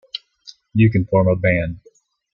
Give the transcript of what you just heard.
You can form a band.